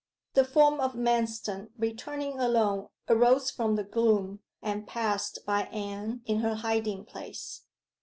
The form of Manston returning alone arose from the gloom, and passed by Anne in her hiding place.